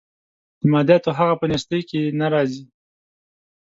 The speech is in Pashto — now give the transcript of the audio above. د مادیاتو هغه په نیستۍ کې نه راځي.